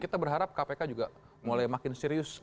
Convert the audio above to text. kita berharap kpk juga mulai makin serius